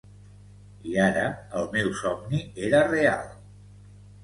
I ara el meu somni era real.